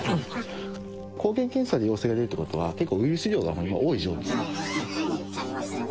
抗原検査で陽性が出るということは、結構ウイルス量が多い状況。